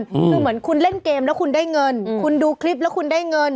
คือเหมือนคุณเล่นเกมแล้วคุณได้เงินคุณดูคลิปแล้วคุณได้เงิน